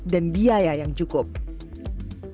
dan biaya yang penting